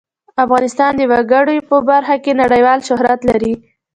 افغانستان د وګړي په برخه کې نړیوال شهرت لري.